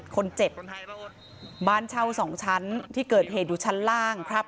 คนเจ็บบ้านเช่าสองชั้นที่เกิดเหตุอยู่ชั้นล่างครับ